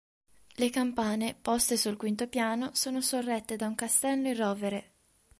Le campane, poste sul quinto piano, sono sorrette da un castello in rovere.